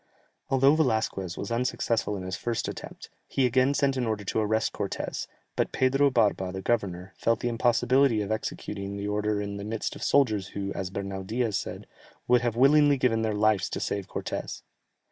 Although Velasquez was unsuccessful in his first attempt, he again sent an order to arrest Cortès, but Pedro Barba the governor, felt the impossibility of executing the order in the midst of soldiers who, as Bernal Diaz says, "would willingly have given their lives to save Cortès."